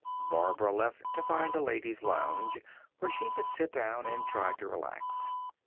Barbara left to find a ladies' lounge where she could sit down and try to relax.